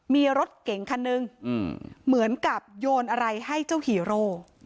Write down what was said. มีรถเก่งคันนึงเหมือนกับโยนอะไรให้เจ้าฮีโร่